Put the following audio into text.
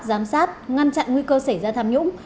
giám sát ngăn chặn nguy cơ xảy ra tham nhũng